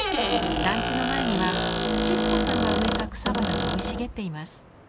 団地の前にはシスコさんが植えた草花が生い茂っています。